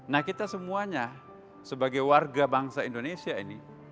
nah kita semuanya sebagai warga bangsa indonesia ini